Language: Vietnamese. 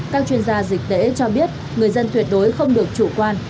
các chuyên gia dịch tễ cho biết người dân tuyệt đối không được chủ quan